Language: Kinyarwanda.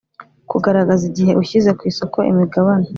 Kugaragaza igihe ushyize ku isoko imigabane